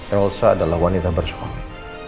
elsa adalah wanita bersuami